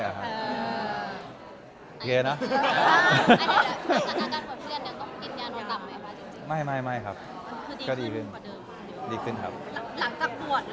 มรึไงพวกเจ้าอาจารย์ใจการบัตรเพื่อนมีอาจลงกากไหม